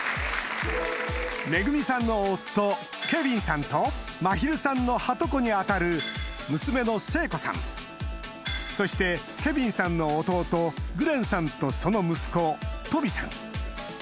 恵さんの夫ケビンさんとまひるさんのはとこに当たる娘の聖子さんそしてケビンさんの弟グレンさんとその息子トビさん